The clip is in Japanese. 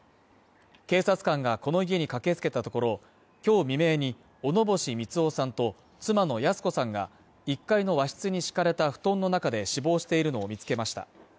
警察官がこの家に駆けつけたところ、今日未明に小野星三男さんと妻の泰子さんが１階の和室に敷かれた布団の中で死亡しているのを見つけました。